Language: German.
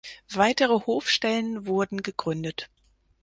Weitere Hofstellen wurden gegründet.